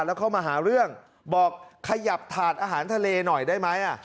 แล้วเข้ามาหาเรื่องบอกขยับถาดอาหารทะเลหน่อยได้ไหม